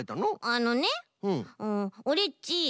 あのねうんオレっち